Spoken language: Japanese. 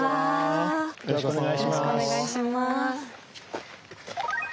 よろしくお願いします。